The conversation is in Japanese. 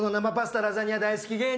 ラザーニャ大好き芸人